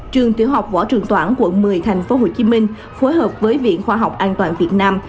trường tiểu học võ trường toản quận một mươi thành phố hồ chí minh phối hợp với viện khoa học an toàn việt nam